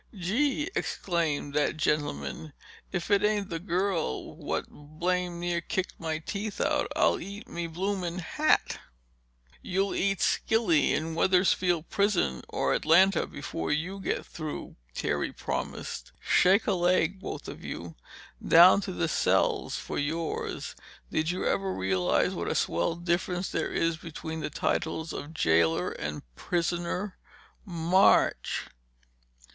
"Gee!" exclaimed that gentleman. "If it ain't the girl what blame near kicked me teeth out I'll eat me bloomin' hat!" "You'll eat skilly in Wethersfield Prison, or Atlanta, before you get through," Terry promised. "Shake a leg—both of you. Down to the cells for yours. Did you ever realize what a swell difference there is between the titles of jailer and prisoner? March!"